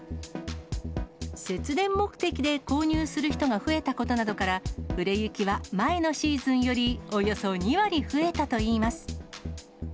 節電目的で購入する人が増えたことなどから、売れ行きは前のシーズンより、およそ２割増えたといいます。